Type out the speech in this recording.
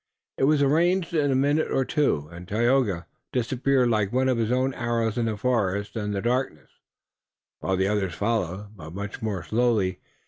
It was arranged in a minute or two and Tayoga disappeared like one of his own arrows in the forest and the darkness, while the others followed, but much more slowly.